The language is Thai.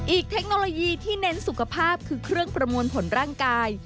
เทคโนโลยีที่เน้นสุขภาพคือเครื่องประมวลผลร่างกาย